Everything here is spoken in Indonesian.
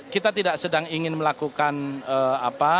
kita tidak sedang ingin melakukan apa